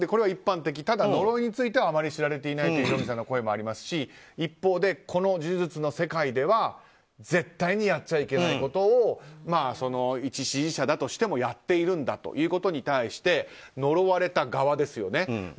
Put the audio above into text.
ただ呪いについてはあまり知られていないというヒョンギさんの声もありますし一方でこの呪術の世界では絶対にやっちゃいけないことを一支持者だとしてもやっているんだということに対して呪われた側ですよね。